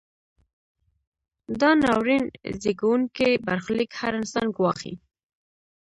دا ناورین زیږوونکی برخلیک هر انسان ګواښي.